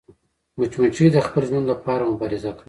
مچمچۍ د خپل ژوند لپاره مبارزه کوي